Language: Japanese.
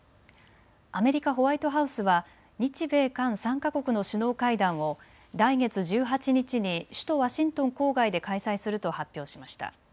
アメリカ・ホワイトハウスは日米韓３か国の首脳会談を来月１８日に首都ワシントン郊外で開催すると発表しました。